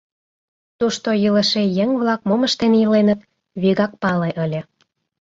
Тушто илыше еҥ-влак мом ыштен иленыт — вигак пале ыле.